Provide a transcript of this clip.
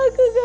aku gak kuat